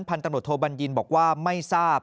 ตำรวจโทบัญญินบอกว่าไม่ทราบ